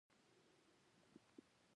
هغه په همدې تور اعدام او ووژل شو.